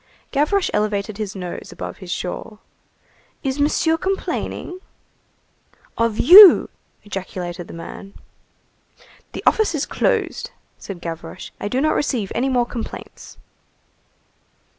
Gavroche elevated his nose above his shawl. "Is Monsieur complaining?" "Of you!" ejaculated the man. "The office is closed," said Gavroche, "I do not receive any more complaints."